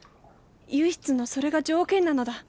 唯一のそれが条件なのだ。